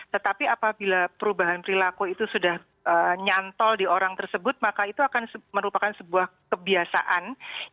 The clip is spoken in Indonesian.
tetapi apabila perubahan perilaku itu sudah nyantol di orang tersebut maka itu akan merupakan sebuah kebiasaan